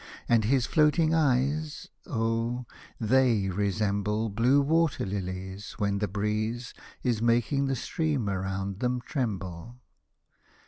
And his floating eyes — oh ! they resemble Blue water hlies, when the breeze Is making the stream around them tremble.